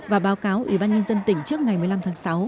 và báo cáo ủy ban nhân dân tỉnh trước ngày một mươi năm tháng sáu